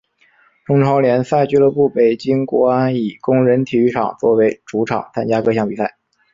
中超联赛俱乐部北京国安以工人体育场作为主场参加各项比赛。